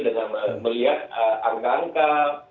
dengan melihat angka angka